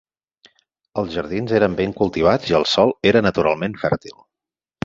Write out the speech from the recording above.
Els jardins eren ben cultivats, i el sòl era naturalment fèrtil.